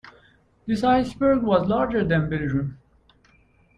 This iceberg was larger than Belgium.